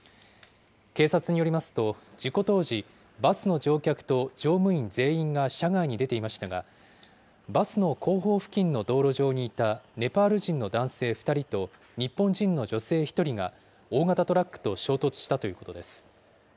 警察によりますと、事故当時、バスの乗客と乗務員全員が車外に出ていましたが、バスの後方付近の道路上にいたネパール人の男性２人と日本人の女性１人が、大型トラックと衝突したということです。